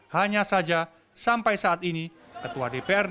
hanya saja sampai saat ini ketua dprd kota surabaya adi sutaryono dengan berkomentar